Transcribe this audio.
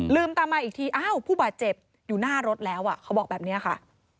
ตามมาอีกทีอ้าวผู้บาดเจ็บอยู่หน้ารถแล้วอ่ะเขาบอกแบบนี้ค่ะ